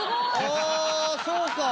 ああそうか！